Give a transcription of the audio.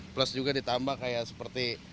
plus juga ditambah kayak seperti